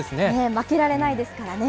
負けられないですからね。